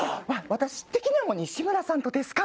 私的にはもう「西村さんとですか！？」